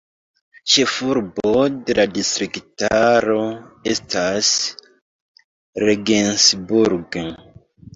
Ĉefurbo de la distriktaro estas Regensburg.